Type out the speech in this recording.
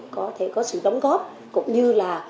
có thể có sự đóng góp cũng như là